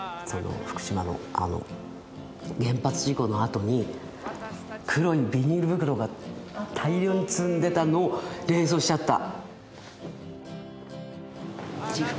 福島のあの原発事故のあとに黒いビニール袋が大量に積んでたのを連想しちゃった。